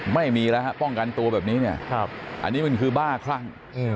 ไม่มีแล้วฮะป้องกันตัวแบบนี้เนี่ยอันนี้มันคือบ้าคลั่ง